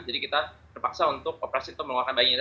jadi kita terpaksa untuk operasi untuk mengeluarkan bayinya